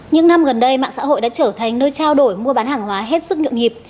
những năm gần đây mạng xã hội đã trở thành nơi trao đổi mua bán hàng hóa hết sức nhượng nhịp